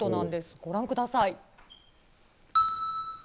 ご覧ください。